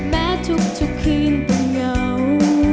แม้ทุกคืนต้องเหงา